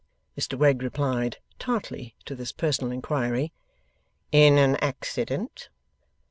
Mr Wegg replied, (tartly to this personal inquiry), 'In an accident.